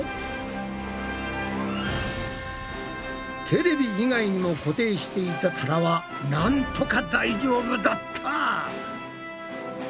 テレビ以外にも固定していた棚はなんとか大丈夫だった。